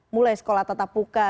mulai sekolah tetap muka